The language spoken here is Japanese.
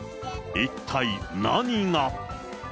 一体何が。